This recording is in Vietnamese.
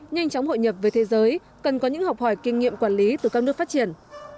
nhanh chóng hội nhập với thế giới cần có những học hỏi kinh nghiệm quản lý từ các nước phát triển